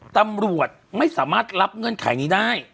ตำรวจไม่สามารถรับเงื่อนไขนี้ได้